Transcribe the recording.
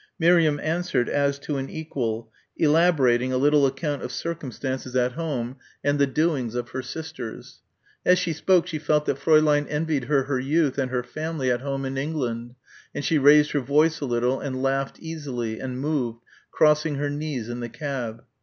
Miriam answered as to an equal, elaborating a little account of circumstances at home, and the doings of her sisters. As she spoke she felt that Fräulein envied her her youth and her family at home in England and she raised her voice a little and laughed easily and moved, crossing her knees in the cab.